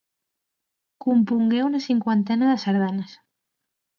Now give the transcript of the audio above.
Compongué una cinquantena de sardanes.